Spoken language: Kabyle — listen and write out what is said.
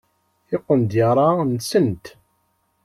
Tiqendyar-a nsent.